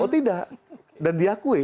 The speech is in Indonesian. oh tidak dan diakui